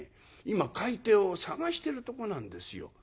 今買い手を探してるとこなんですよ」。